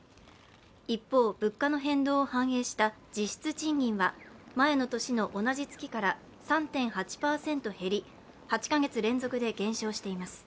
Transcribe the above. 一方、物価の変動を反映した実質賃金は前の年の同じ月から３．８％減り、８か月連続で減少しています。